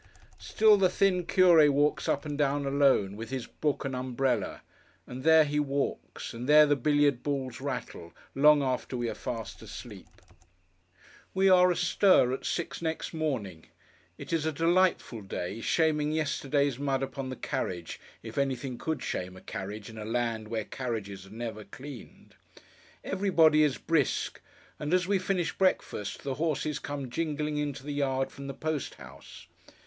Still the thin Curé walks up and down alone, with his book and umbrella. And there he walks, and there the billiard balls rattle, long after we are fast asleep. We are astir at six next morning. It is a delightful day, shaming yesterday's mud upon the carriage, if anything could shame a carriage, in a land where carriages are never cleaned. Everybody is brisk; and as we finish breakfast, the horses come jingling into the yard from the Post house.